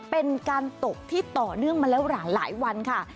เป็นการตกที่ต่อเนื่องมาแล้วหลายวันค่ะ